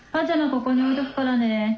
ここに置いとくからね。